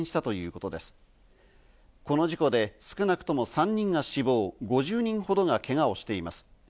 この事故で少なくとも３人が死亡、５０人ほどがけがをしています。